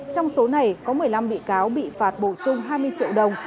trong số này có một mươi năm bị cáo bị phạt bổ sung hai mươi triệu đồng